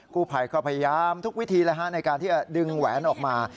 กู้ภัยก็พยายามทุกวิธีในการที่จะดึงแหวนออกมา